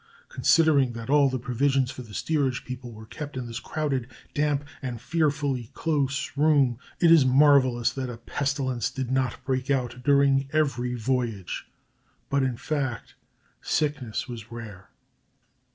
Considering that all the provisions for the steerage people were kept in this crowded, damp, and fearfully close room, it is marvelous that a pestilence did not break out during every voyage, but, in fact, sickness was rare.